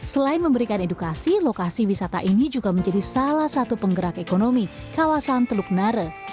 selain memberikan edukasi lokasi wisata ini juga menjadi salah satu penggerak ekonomi kawasan teluk nare